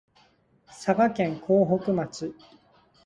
佐賀県江北町